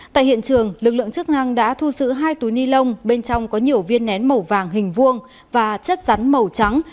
tại hiện trường lực lượng chức năng đã thu giữ hai túi ni lông bên trong có nhiều viên nén màu vàng hình vuông và chất rắn màu trắng